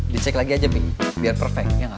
dicek lagi aja pi biar perfect ya enggak